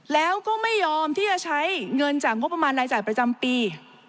แล้วก็ไม่ยอมที่จะใช้เงินจากงบประมาณรายจ่ายประจำปี